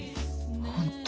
本当。